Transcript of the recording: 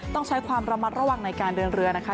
ต้องใช้ความระมัดระวังในการเดินเรือนะคะ